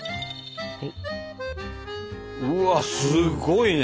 うわっすごいね。